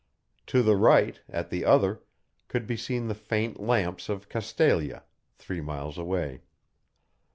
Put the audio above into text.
To the right, at the other, could be seen the faint lamps of Castalia, three miles away.